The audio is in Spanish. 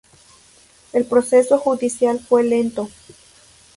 El proceso judicial fue lento.